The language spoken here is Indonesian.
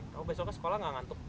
kamu besoknya sekolah gak ngantuk